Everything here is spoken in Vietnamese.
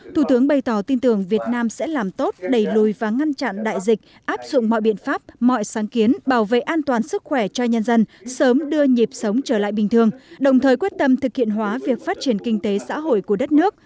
thủ tướng bày tỏ tin tưởng việt nam sẽ làm tốt đẩy lùi và ngăn chặn đại dịch áp dụng mọi biện pháp mọi sáng kiến bảo vệ an toàn sức khỏe cho nhân dân sớm đưa nhịp sống trở lại bình thường đồng thời quyết tâm thực hiện hóa việc phát triển kinh tế xã hội của đất nước